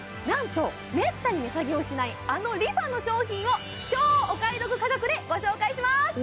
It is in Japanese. なんとめったに値下げをしないあのＲｅＦａの商品を超お買い得価格でご紹介します！